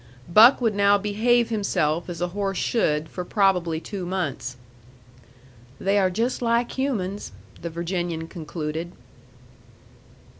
Buck would now behave himself as a horse should for probably two months. "They are just like humans," the Virginian concluded.